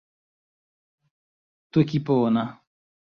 tokipona